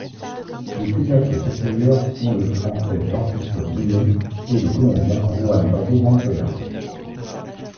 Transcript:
Les pilotes essayeurs sont le Français Jean-Christophe Boullion et le Colombien Juan Pablo Montoya.